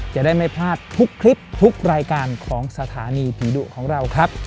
จะได้ไม่พลาดทุกคลิปทุกรายการของสถานีผีดุของเราครับ